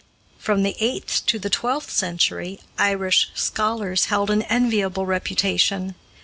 From the eighth to the twelfth century Irish scholars held an enviable reputation.